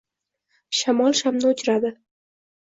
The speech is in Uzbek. Shamol shamni o`chiradi